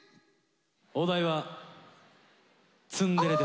お題は「ツンデレ」です。